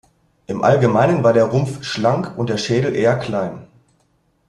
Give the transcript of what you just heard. Im Allgemeinen war der Rumpf schlank und der Schädel eher klein.